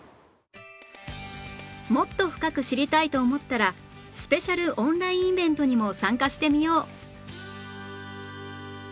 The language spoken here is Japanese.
もっと深く知りたいと思ったらスペシャルオンラインイベントにも参加してみよう